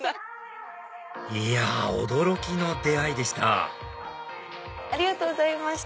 いや驚きの出会いでしたありがとうございました。